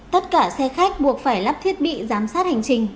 tất cả xe khách buộc phải lắp thiết bị giám sát hành trình